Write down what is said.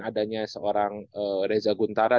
adanya seorang reza guntara